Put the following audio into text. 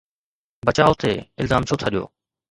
بچاءُ تي الزام ڇو ٿا ڏيو؟